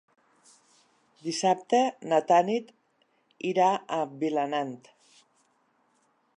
Dissabte na Tanit irà a Vilanant.